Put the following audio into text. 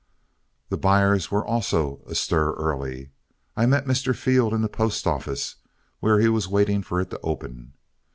The buyers were also astir early. I met Mr. Field in the post office, where he was waiting for it to open.